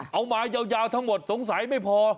เอามายาวทั้งหมดสงสัยไม่พอ